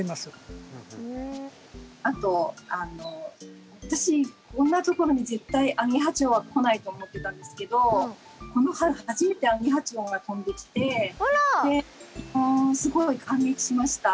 あと私こんなところに絶対アゲハチョウは来ないと思ってたんですけどこの春初めてアゲハチョウが飛んできてすごい感激しました。